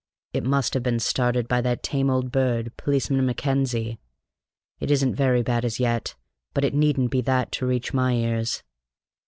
It must have been started by that tame old bird, Policeman Mackenzie; it isn't very bad as yet, but it needn't be that to reach my ears.